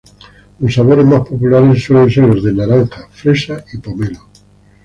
Los sabores más populares suelen ser los de naranja, fresa, y pomelo.